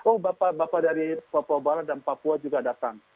oh bapak bapak dari papua barat dan papua juga datang